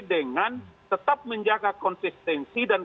dengan tetap menjaga konsistensi dan